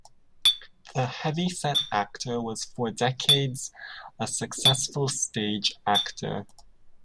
The heavy-set actor was for decades a successful stage actor.